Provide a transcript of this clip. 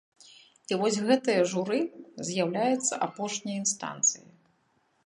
І вось гэтае журы з'яўляецца апошняй інстанцыяй.